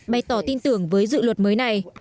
bày tỏ tin tưởng với dự luật mới này